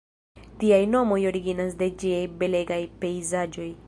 Tiaj nomoj originas de ĝiaj belegaj pejzaĝoj.